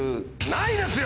ないですよ！